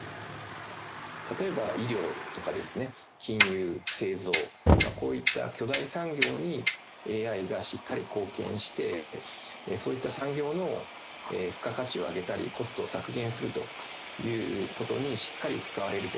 例えば、医療とか金融、製造、こういった巨大産業にＡＩがしっかり貢献して、そういった産業の付加価値を上げたり、コストを削減するということにしっかり使われると。